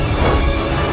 aku akan menangkapmu